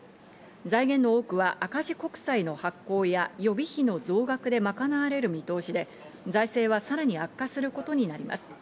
財源の多くは赤字国債の発行や予備費の増額でまかなわれる見通しで、財政はさらに悪化することになります。